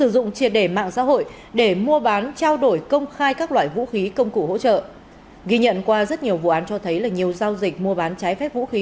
ghi nhận qua rất nhiều vụ án cho thấy là nhiều giao dịch mua bán trái phép vũ khí